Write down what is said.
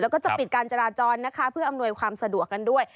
แล้วก็จะปิดการจราจรนะคะเพื่ออำนวยความสะดวกกันด้วย